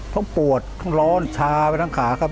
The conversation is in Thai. ต้องปวดต้องร้อนชาไปทั้งขาครับ